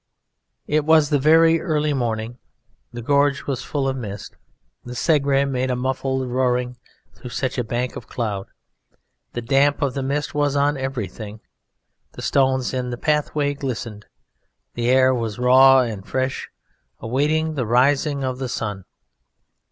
It was the very early morning; the gorge was full of mist, the Segre made a muffled roaring through such a bank of cloud; the damp of the mist was on everything. The stones in the pathway glistened, the air was raw and fresh, awaiting the rising of the sun.